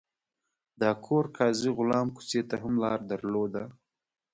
دا کور قاضي غلام کوڅې ته هم لار درلوده.